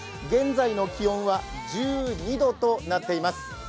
現在の気温は１２度となっています。